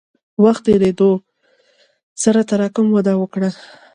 وخت تېرېدو سره تراکم وده وکړه.